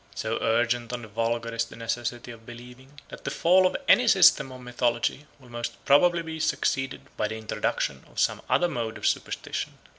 So urgent on the vulgar is the necessity of believing, that the fall of any system of mythology will most probably be succeeded by the introduction of some other mode of superstition.